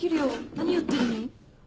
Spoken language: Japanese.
何やってんの？